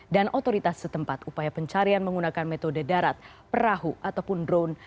dan otoritas setempat upaya pencarian menggunakan metode darat perahu ataupun drone